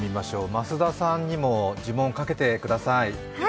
増田さんにも呪文をかけてみてください。